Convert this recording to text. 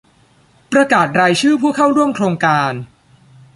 ประกาศรายชื่อผู้เข้าร่วมโครงการ